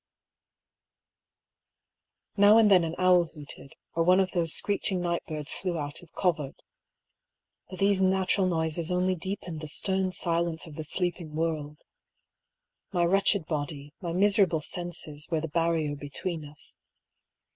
Now and then an owl hooted, or one of those screech ing night birds flew out of covert. But these natural noises only deepened the stem silence of the sleeping world. My wretched body, my miserable senses, were the barrier between us.